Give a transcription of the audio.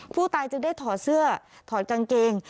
ผู้ตายจึงได้ถอดเสื้อถอดกางเกง